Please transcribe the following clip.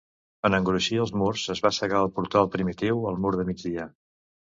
En engruixir els murs es va cegar el portal primitiu al mur de migdia.